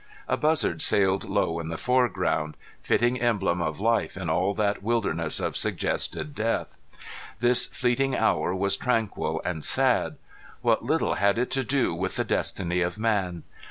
A buzzard sailed low in the foreground fitting emblem of life in all that wilderness of suggested death. This fleeting hour was tranquil and sad. What little had it to do with the destiny of man!